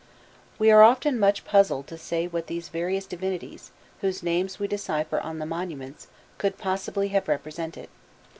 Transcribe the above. We are often much puzzled to say what these various divinities, whose names we decipher on the monuments, could possibly have represented.